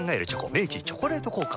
明治「チョコレート効果」